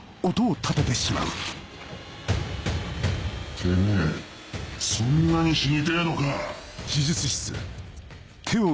てめぇそんなに死にてぇのか！